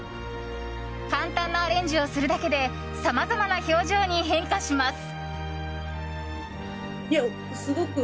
簡単なアレンジをすることでさまざまな表情に変化します。